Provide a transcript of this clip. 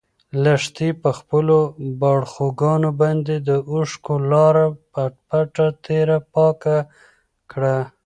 لښتې په خپلو باړخوګانو باندې د اوښکو لاره په پټه تېره پاکه کړه.